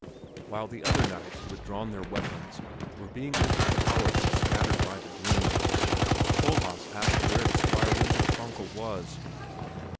While the other knights, who had drawn their weapons, were being overpowered and scattered by the grooms, Kohlhaas asked where the Squire Wenzel Tronka was.